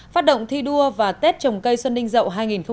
phát động thi đua và tết trồng cây xuân đinh dậu hai nghìn một mươi bảy